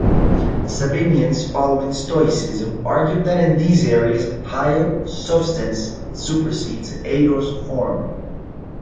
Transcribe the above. Sabinians, following Stoicism, argued that in these areas "hyle" 'substance' supersedes "eidos" 'form'.